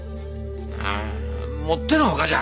あもっての外じゃ！